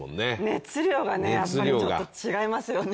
熱量がちょっと違いますよね。